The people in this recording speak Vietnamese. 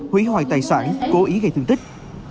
hủy hoại tài sản cố ý gây thương tích